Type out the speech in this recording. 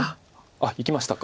あっいきましたか。